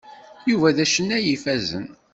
Yuba d acennay ifazen.